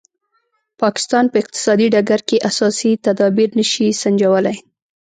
پاکستان په اقتصادي ډګر کې اساسي تدابیر نه شي سنجولای.